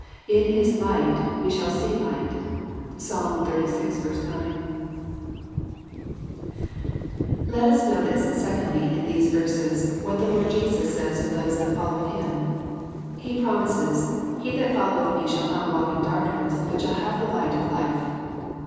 " In His light we shall see light." (Psalm xxxvi. 76 EXFOSITOBr THOUGHTS. Let as notice, secondly, in these verses, what the Lard Jeaits say 8 of those that foUow Him. He promises, ^^ He that followeth Me shall not walk in darkness, bat shall have the light of life."